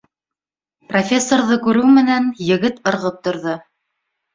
Профессорҙы күреү менән, егет ырғып торҙо: